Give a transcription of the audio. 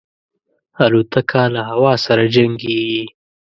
الوتکه له هوا سره جنګيږي.